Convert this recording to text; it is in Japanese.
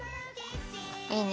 いいね。